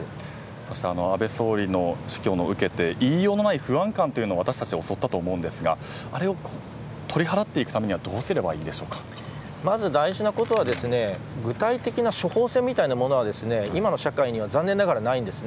そして安倍総理の死去を受けて言いようのない不安感というのが私たちを襲ったと思うんですがあれを取り払うためにはまず大事なことは具体的な処方せんみたいなものは今の社会には残念ながらないんです。